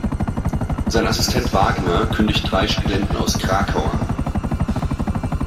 Sein Assistent Wagner kündigt drei Studenten aus Krakau an.